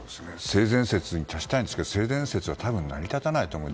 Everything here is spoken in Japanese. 性善説に立ちたいんですけど性善説は多分、成り立たないと思う。